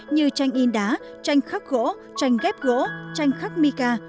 như tranh in đá tranh khắc gỗ tranh ghép gỗ tranh khắc mika